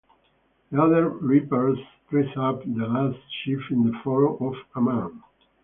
The other reapers dress up the last sheaf in the form of a man.